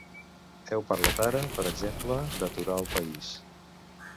Heu parlat ara, per exemple, d’aturar el país.